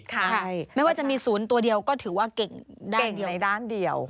ใช่ไม่ว่าจะมี๐ตัวเดียวก็ถือว่าเก่งในด้านเดียว